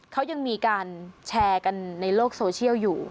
เขายังมีการแชร์กันในโลกโซเชียลอยู่